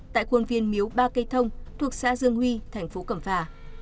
tại khuôn viên miếu ba cây thông thuộc xã dương huy thành phố cẩm phả